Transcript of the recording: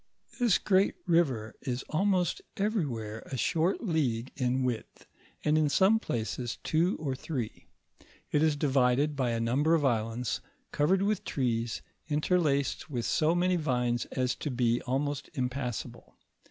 This great river is almost eveiywhore a short league in width, and in some place, two or three ; it is divided by a number of islands covered with trees, interlaced with so many vines as to be almost impassable.